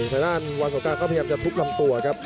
ใส่ด้านวันส่วนกลางเขาเพียงจะทุกค์ลำตัวครับ